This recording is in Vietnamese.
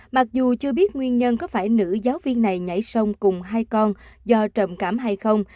mặc dù chưa biết nguyên nhân có phải nữ giáo viên này nhảy sông cùng hai con do trầm cảm hay không